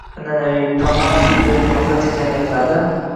An’anaviy, parlament tipidagi demokratik jamiyatlarda